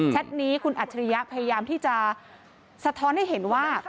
นี้คุณอัจฉริยะพยายามที่จะสะท้อนให้เห็นว่า